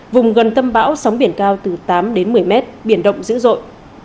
vùng gần tâm bão sóng biển cao từ tám đến một mươi mét biển động dữ dội